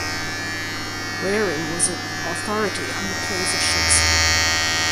Wareing was an authority on the plays of Shakespeare.